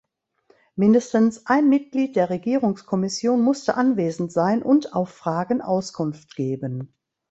Mindestens ein Mitglied der Regierungskommission musste anwesend sein und auf Fragen Auskunft geben.